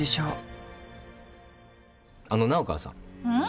うん？